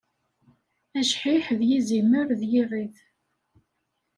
Ajḥiḥ d yizimer d yiɣid.